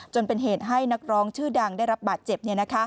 จนเป็นเหตุให้นักร้องชื่อดังได้รับบาดเจ็บ